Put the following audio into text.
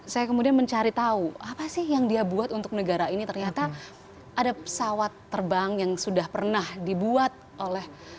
saya kemudian mencari tahu apa sih yang dia buat untuk negara ini ternyata ada pesawat terbang yang sudah pernah dibuat oleh